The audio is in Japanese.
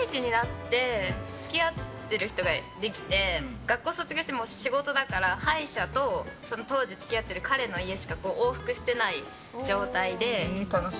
学校卒業して仕事だから、歯医者と当時付き合っている彼の家しか往復してない状態で。